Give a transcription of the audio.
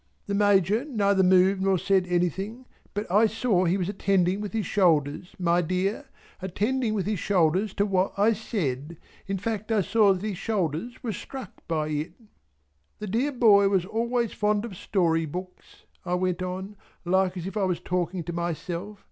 The Major neither moved nor said anything but I saw he was attending with his shoulders my dear attending with his shoulders to what I said. In fact I saw that his shoulders were struck by it. "The dear boy was always fond of story books" I went on, like as if I was talking to myself.